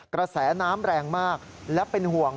กระแสน้ำแรงมากและเป็นห่วง